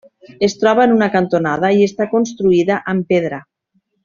Es troba en una cantonada i està construïda amb pedra.